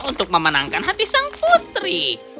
untuk memenangkan hati sang putri